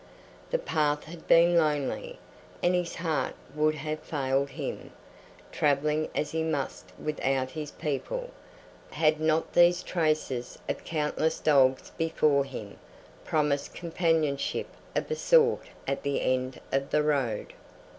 The path had been lonely, and his heart would have failed him, traveling as he must without his people, had not these traces of countless dogs before him promised companionship of a sort at the end of the road.